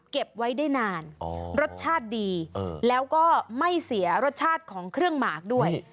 เก็บไว้ได้นานรสชาติดีแล้วก็ไม่เสียรสชาติของเครื่องหมากด้วย